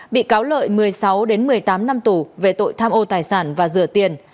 bị cáo lợi một mươi sáu một mươi tám năm tù về tội tham ô tài sản và rửa tiền